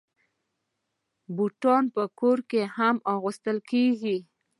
بوټونه په کور کې هم اغوستل کېږي.